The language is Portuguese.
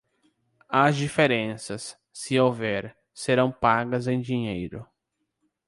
As diferenças, se houver, serão pagas em dinheiro.